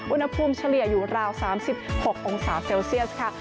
เฉลี่ยอยู่ราว๓๖องศาเซลเซียสค่ะ